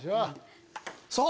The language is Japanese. そう！